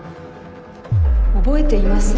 覚えていません